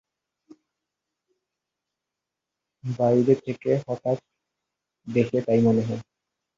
বাইরে থেকে দেখে হঠাৎ তাই মনে হয়।